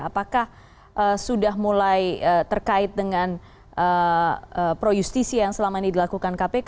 apakah sudah mulai terkait dengan pro justisi yang selama ini dilakukan kpk